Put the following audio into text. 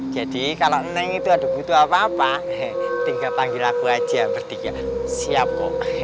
jadi kalau neng itu ada butuh apa apa tinggal panggil aku aja bertiga siap kok